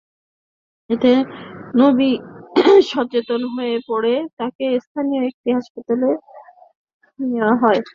এতে নবী অচেতন হয়ে পড়লে তাঁকে স্থানীয় একটি হাসপাতালে নেওয়া হয়।